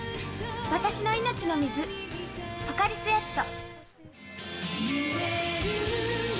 私の命の水、ポカリスエット。